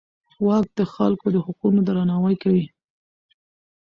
واک د خلکو د حقونو درناوی کوي.